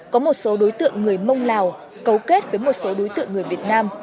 có một số đối tượng người mông lào cấu kết với một số đối tượng người việt nam